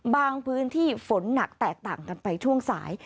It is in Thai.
พื้นที่ฝนหนักแตกต่างกันไปช่วงสาย